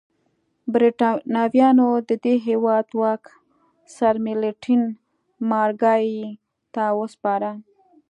برېټانویانو د دې هېواد واک سرمیلټن مارګای ته وسپاره.